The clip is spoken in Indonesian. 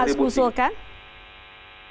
kita yang penting kita memberikan kontribusi